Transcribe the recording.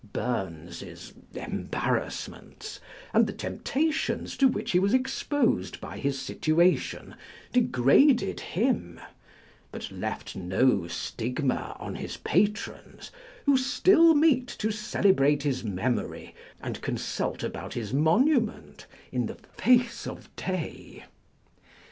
Burns's embarrassments, and the temptations to which he was exposed by his situation, degraded him ; but left no stigma on his patrons, who still meet to celebrate his memory, and consult about his monument, in the face of day.